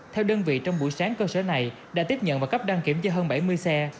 theo đơn vị trong buổi sáng cơ sở này đã tiếp nhận và cấp đăng kiểm cho hơn bảy mươi xe